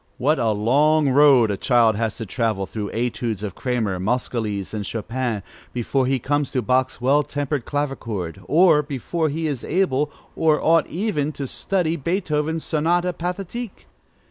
What a long road a child has to travel through Etudes of Cramer, Moscheles, and Chopin, before he comes to Bach's Well tempered Clavichord, or before he is able, or ought even, to study Beethoven's Sonate Pathétique!